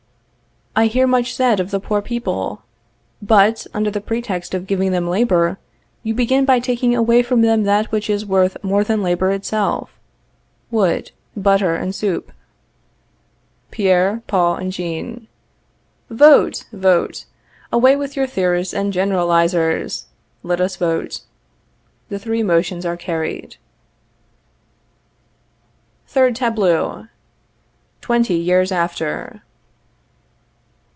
_ I hear much said of the poor people; but, under the pretext of giving them labor, you begin by taking away from them that which is worth more than labor itself wood, butter, and soup. Pierre, Paul and Jean. Vote, vote. Away with your theorists and generalizers! Let us vote. [The three motions are carried.] THIRD TABLEAU. _Twenty Years After.